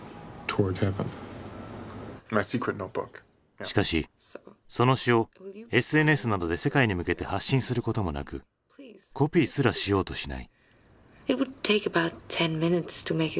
しかしその詩をＳＮＳなどで世界に向けて発信することもなくコピーすらしようとしない。